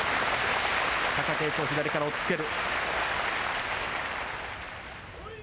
貴景勝、左から押っつける。